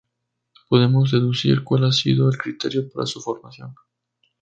Podemos deducir cuál ha sido el criterio para su formación